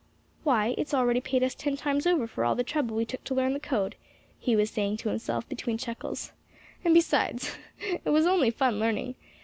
"Why, it's already paid us ten times over for all the trouble we took to learn the code," he was saying to himself, between chuckles. "And besides, it was only fun, learning.